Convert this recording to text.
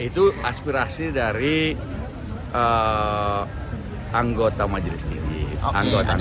itu aspirasi dari anggota majelis tinggi